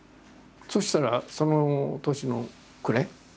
そしたらその年の暮れ。